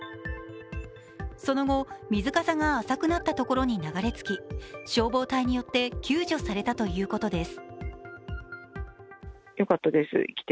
その後、水かさが浅くなったところに流れ着き、消防隊によって救助されたということです。